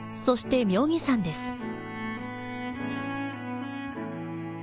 そして妙義山です。